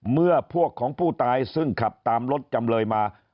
เมื่อพวกของผู้ตายซึ่งขับตามรถจำเลยมา